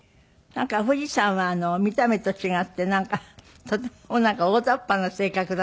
なんか藤さんは見た目と違ってなんかとても大ざっぱな性格だっていうのは本当なの？